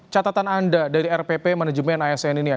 catatan anda dari rpp manajemen asn ini